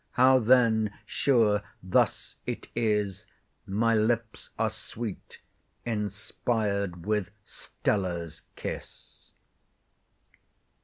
How then? sure thus it is, My lips are sweet, inspired with STELLA'S kiss.